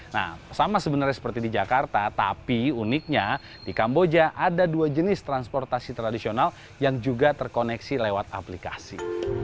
nah sama sebenarnya seperti di jakarta tapi uniknya di kamboja ada dua jenis transportasi tradisional yang juga terkoneksi lewat aplikasi